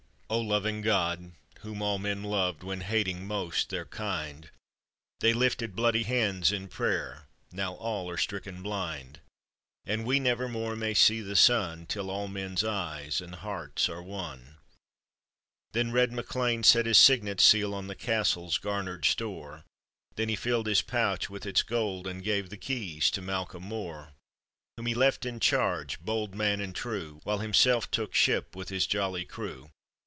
O loving God, whom all men loved When hating most {heir kind, They lifted bloody hands in prayer, Now all are stricken blind, — And we never more may see the sun Till all men's eves and hearts are one I POETRY ON OR ABOUT THE MACLEANS. 146 The red MacLean set his signet seal On the castle's garnered store, Then he filled his pouch with its gold, and gave The keys to Malcolm M6r, Whom he left in charge, bold man and true, While himself took ship with his jolly crew.